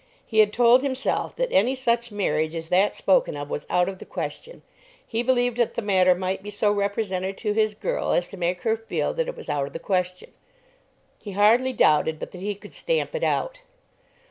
He had told himself that any such marriage as that spoken of was out of the question. He believed that the matter might be so represented to his girl as to make her feel that it was out of the question. He hardly doubted but that he could stamp it out.